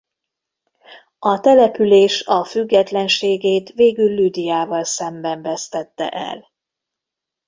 A település a függetlenségét végül Lüdiával szemben vesztette el.